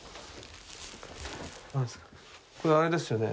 これあれですよね